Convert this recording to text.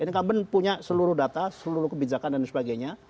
incumbent punya seluruh data seluruh kebijakan dan sebagainya